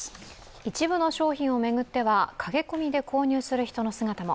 一部の商品を巡っては、駆け込みで購入する人の姿も。